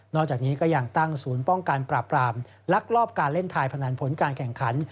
จากนี้ก็ยังตั้งศูนย์ป้องกันปราบรามลักลอบการเล่นทายพนันผลการแข่งขัน